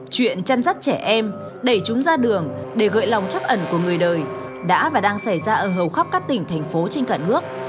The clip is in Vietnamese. chuyện chăn rắt trẻ em đẩy chúng ra đường để gợi lòng chắc ẩn của người đời đã và đang xảy ra ở hầu khắp các tỉnh thành phố trên cả nước